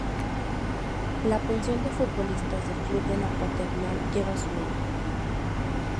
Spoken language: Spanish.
La pensión de futbolistas del club de La Paternal lleva su nombre.